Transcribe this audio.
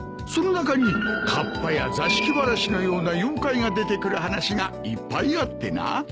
その中にカッパや座敷わらしのような妖怪が出てくる話がいっぱいあってな。